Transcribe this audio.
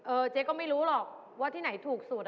เจ๊ก็ไม่รู้หรอกว่าที่ไหนถูกสุด